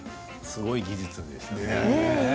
すごい技術ですね。